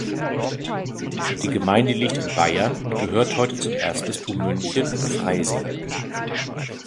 Die Gemeinde liegt in Bayern und gehört heute zum Erzbistum München und Freising.